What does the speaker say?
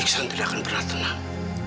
islam tidak akan pernah tenang